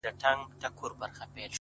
توکل ئې نر دئ.